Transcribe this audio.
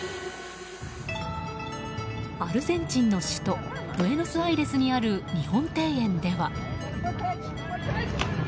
アルゼンチンの首都ブエノスアイレスにある日本庭園では。